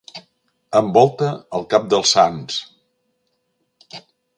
Envolta el cap dels sants.